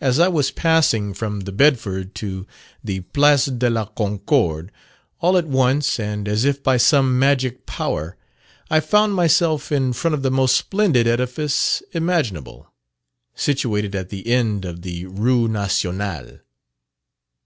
As I was passing from the Bedford to the Place de La Concord, all at once, and as if by some magic power, I found myself in front of the most splendid edifice imaginable, situated at the end of the Rue Nationale.